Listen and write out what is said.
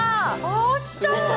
落ちた！